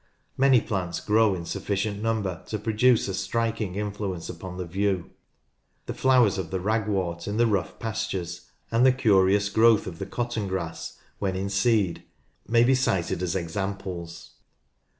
Many plants grow in sufficient number to produce a striking influence upon the view. The flowers of the ragwort in the rough pastures and the curious growth of NATURAL HISTORY 75 the cotton grass when in seed, may be cited as examples.